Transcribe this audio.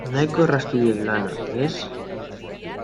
Nahiko erraztu diet lana, ez?